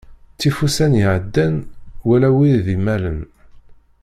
Ttif ussan iɛeddan wala wid d-immalen.